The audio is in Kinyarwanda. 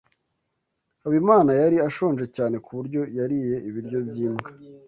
Habimana yari ashonje cyane ku buryo yariye ibiryo by'imbwa.